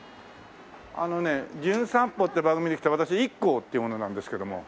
あのね『じゅん散歩』って番組で来た私ＩＫＫＯっていう者なんですけども。